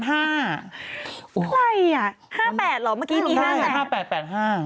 ใครอ่ะ๕๘เหรอเมื่อกี๊เตรียม๕๘บริษัท